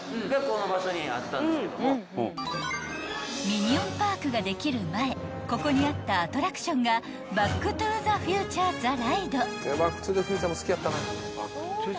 ［ミニオン・パークができる前ここにあったアトラクションがバック・トゥ・ザ・フューチャー・ザ・ライド］